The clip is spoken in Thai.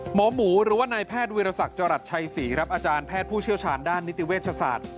หมอหมูหรือว่านายแพทย์วิรสักจรัสชัยศรีครับอาจารย์แพทย์ผู้เชี่ยวชาญด้านนิติเวชศาสตร์